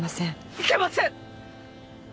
いけません！